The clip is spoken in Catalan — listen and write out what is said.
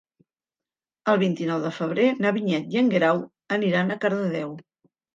El vint-i-nou de febrer na Vinyet i en Guerau aniran a Cardedeu.